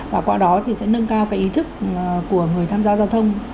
và qua đó thì sẽ nâng cao cái ý thức của người tham gia giao thông